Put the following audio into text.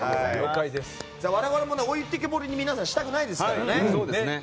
我々も、皆さんを置いてけぼりにしたくないですからね。